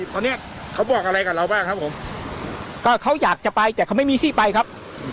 ตอนนี้เขาบอกอะไรกับเราบ้างครับผมก็เขาอยากจะไปแต่เขาไม่มีที่ไปครับ